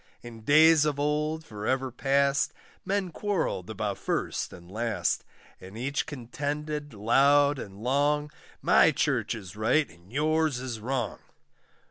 In days of old, for ever past, Men quarrelled about first and last; And each contended loud and long, My church is right, and yours is wrong.